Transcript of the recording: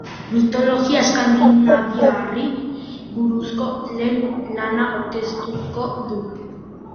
Mitologia eskandinaviarrari buruzko lehen lana aurkeztuko du.